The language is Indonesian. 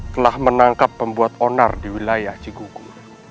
telah menangkap pembuat onar di wilayah cikgu gu